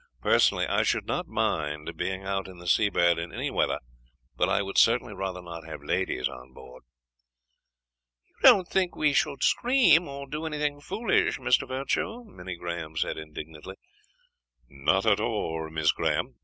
Personally, I should not mind being out in the Seabird in any weather, but I would certainly rather not have ladies on board." "You don't think we should scream, or do anything foolish, Mr. Virtue?" Minnie Graham said indignantly. "Not at all, Miss Graham.